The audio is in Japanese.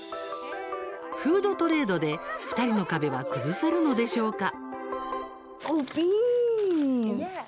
「ふうどトレード」で２人の壁は崩せるのでしょうか？